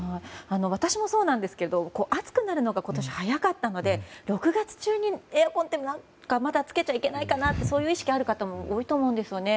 私もそうですが暑くなるのが今年は早かったので６月中にエアコンってまだつけちゃいけないかなという意識がある方も多いと思うんですよね。